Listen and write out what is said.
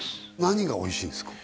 何がおいしいんですか？